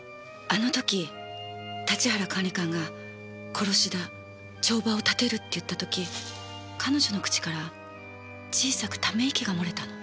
あの時立原管理官が「殺しだ帳場をたてる」って言った時彼女の口から小さくため息が漏れたの。